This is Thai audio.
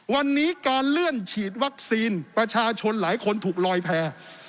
วันนี้การเลื่อนฉีดวัคซีนประชาชนหลายคนถูกลอยแพร่